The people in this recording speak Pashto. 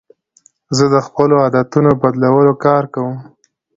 زه د خپلو عادتونو په بدلولو کار کوم.